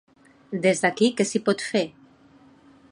Des d’aquí què s’hi pot fer?